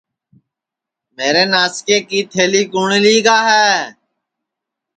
میری ناسکے کی تھلی کُوٹؔ لیگا ہے